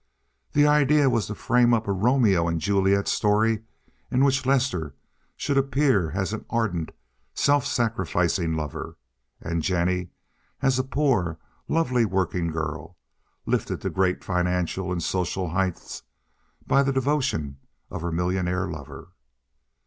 The idea was to frame up a Romeo and Juliet story in which Lester should appear as an ardent, self sacrificing lover, and Jennie as a poor and lovely working girl, lifted to great financial and social heights by the devotion of her millionaire lover.